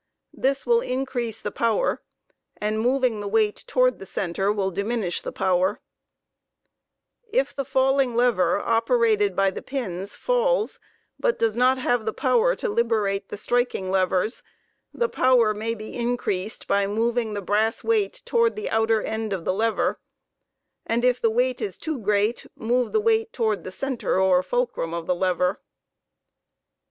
This will increase the power, and, moving the weight toward the center will diminish the power. * If the falling lever operated by the pins falls, but does not have the power to liberate the striking levers, the power may be increased by moving the brass weight toward the outer end of the lever, and if the weight is too great, move the weight toward the center or fulcrum of the lever*